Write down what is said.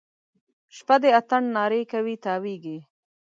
شپه د اتڼ نارې کوي تاویږي